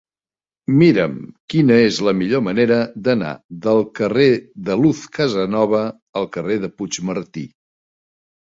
Mira'm quina és la millor manera d'anar del carrer de Luz Casanova al carrer de Puigmartí.